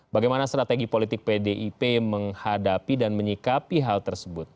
bagaimana strategi politik pdip menghadapi dan menyikapi hal tersebut